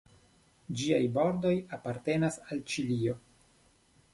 Ĝiaj bordoj apartenas al Ĉilio.